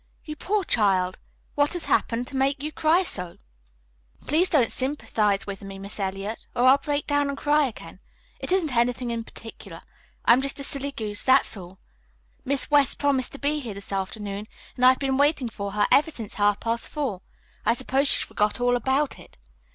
"You poor child! What has happened to you to make you cry so?" "Please don't sympathize with me, Miss Eliot, or I'll break down and cry again. It isn't anything in particular. I'm just a silly goose, that's all. Miss West promised to be here this afternoon, and I've been waiting for her ever since half past four. I suppose she forgot all about it."